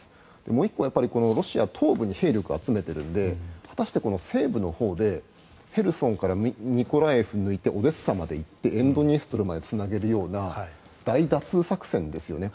もう１個、ロシアは東部に兵力を集めているので果たして西部のほうでヘルソンからミコライウを抜いてオデーサまで行って沿ドニエストルまで行くような大作戦ですよね。